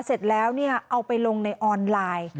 เสร็จแล้วเอาไปลงในออนไลน์